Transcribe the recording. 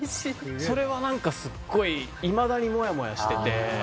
それは、何かすごいいまだにもやもやしてて。